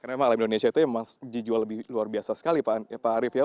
karena memang alam indonesia itu memang dijual lebih luar biasa sekali pak arief ya